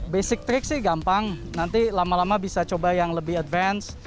basic trick sih gampang nanti lama lama bisa coba yang lebih advance